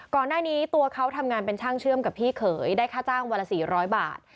ก่อนหน้านี้ตัวเขาทำงานเป็นช่างเชื่อมกับพี่เขยได้ค่าจ้างวันละ๔๐๐บาท